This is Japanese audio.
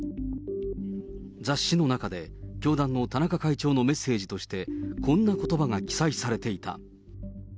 雑誌の中で教団の田中会長のメッセージとして、こんなことばが記載されていた。